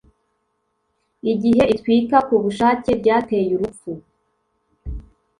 igihe itwika ku bushake ryateye urupfu